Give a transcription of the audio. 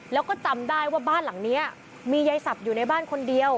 แล้วก็จำได้ว่าบ้านหลังนี้มียายสับอยู่ในบ้านคนเดียว